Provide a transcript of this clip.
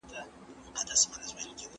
خپلو ملګرو سره شريک کول زده کړئ.